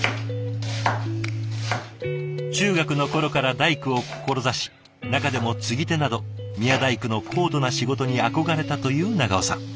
中学の頃から大工を志し中でも継ぎ手など宮大工の高度な仕事に憧れたという長尾さん。